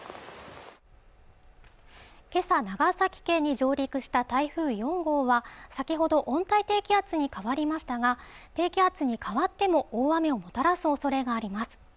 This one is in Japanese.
今朝長崎県に上陸した台風４号は先ほど温帯低気圧に変わりましたが低気圧に変わっても大雨をもたらす恐れがあります